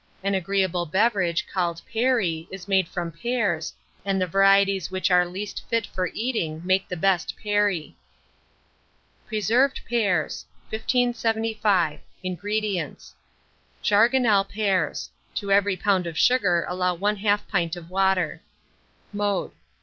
An agreeable beverage, called perry, is made from pears, and the varieties which are least fit for eating make the best perry. PRESERVED PEARS. 1575. INGREDIENTS. Jargonelle pears; to every lb. of sugar allow 1/2 pint of water. Mode.